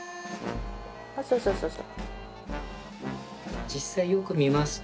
あっそうそうそうそう。